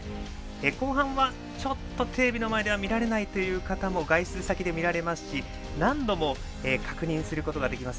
後半はちょっとテレビの前では見られないという方も外出先で見られますし何度も確認することができます。